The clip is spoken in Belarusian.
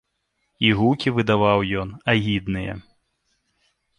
І гукі выдаваў ён агідныя.